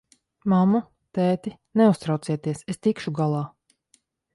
Mammu, tēti, neuztraucieties, es tikšu galā!